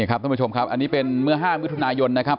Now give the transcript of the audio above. ท่านผู้ชมครับอันนี้เป็นเมื่อ๕มิถุนายนนะครับ